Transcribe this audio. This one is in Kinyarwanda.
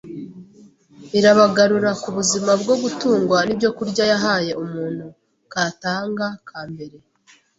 Irabagarura ku buzima bwo gutungwa n’ibyokurya yahaye umuntu katanga ka mbere